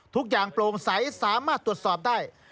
ทุกอย่างโปร่งใสสามารถตรวจสอบได้